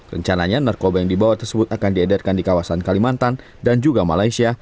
rencananya narkoba yang dibawa tersebut akan diedarkan di kawasan kalimantan dan juga malaysia